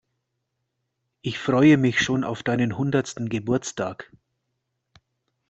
Ich freue mich schon auf deinen hundertsten Geburtstag.